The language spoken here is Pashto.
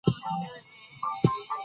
بدخشان د افغانستان د انرژۍ سکتور برخه ده.